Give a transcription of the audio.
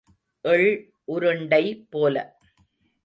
எள் உருண்டை போல.